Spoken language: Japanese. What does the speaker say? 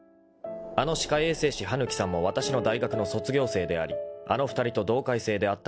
［あの歯科衛生士羽貫さんもわたしの大学の卒業生でありあの２人と同回生であったことが分かった］